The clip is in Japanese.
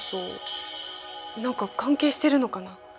何か関係してるのかな？